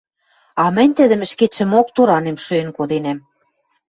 А мӹнь тӹдӹм ӹшкетшӹмок торанем шуэн коденӓм!